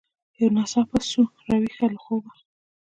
یو ناڅاپه سوه را ویښه له خوبونو